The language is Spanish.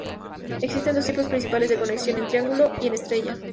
Existen dos tipos principales de conexión; en "triángulo" y en "estrella".